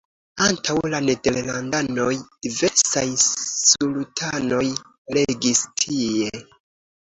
Antaŭ la nederlandanoj diversaj sultanoj regis tie.